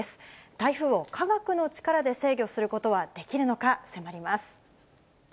台風を科学の力で制御することはできるのか？